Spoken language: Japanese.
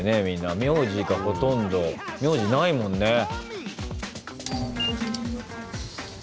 みんな名字がほとんど名字ないもんね。